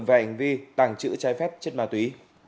về hành vi tàng trữ trái phép chất ma túy